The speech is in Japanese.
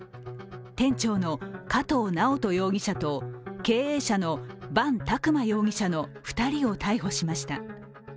店長の加藤直人容疑者と経営者の伴拓磨容疑者の２人を逮捕しました。